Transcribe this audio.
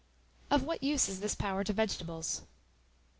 Of what use is this power to vegetables?